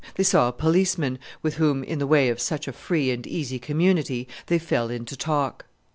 They saw a policeman, with whom, in the way of such a free and easy community, they fell into talk.